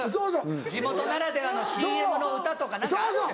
地元ならではのＣＭの歌とか何かあるじゃん。